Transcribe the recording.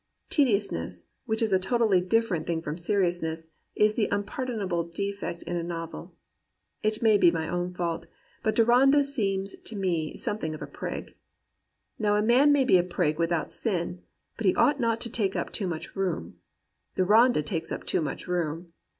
Tediousness, which is a totally differ ent thing from seriousness, is the impardonable defect in a novel. It may be my own fault, but Deronda seems to me something of a prig. Now a man may be a prig without sin, but he ought not to take up too much room. Deronda takes up too much room.